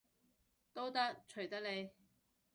都得，隨得你